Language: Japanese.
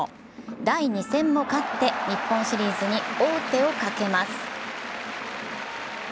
第２戦も勝って日本シリーズに王手をかけます。